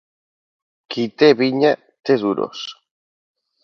Qui té vinya, té duros.